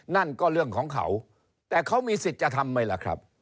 นั่นก็เรื่องของเขาแต่เขามีสิทธิ์จะทำไหมล่ะครับ